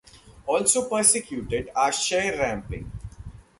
Also persecuted are share ramping.